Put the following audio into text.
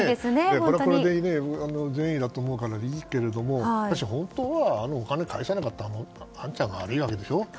これはこれで善意だと思うからいいけれども、しかし本当はあのお金を返さなかったあんちゃんが悪いわけでしょ。